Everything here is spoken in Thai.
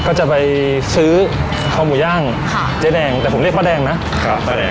ก็จะไปซื้อคอหมูย่างค่ะเจ๊แดงแต่ผมเรียกป้าแดงนะครับป้าแดง